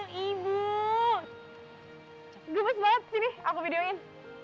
gemes banget sini aku videoin